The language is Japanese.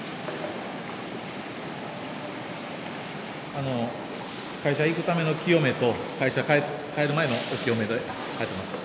あの会社行くための清めと会社帰る前のお清めで入ってます。